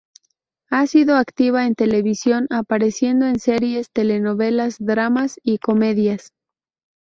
Ha sido activa en televisión apareciendo en series, telenovelas, dramas, y comedias.